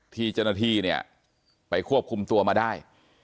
ที่เจ้าหน้าที่เนี่ยไปควบคุมตัวมาได้